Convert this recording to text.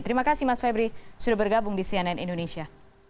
terima kasih mas febri sudah bergabung di cnn indonesia